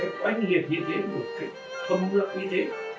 một cách oanh nghiệt như thế một cách thâm lặng như thế